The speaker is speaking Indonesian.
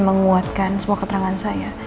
menguatkan semua keterangan saya